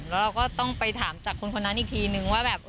แล้วเราก็ต้องไปถามจากคนนั้นอีกทีนึงว่าแบบ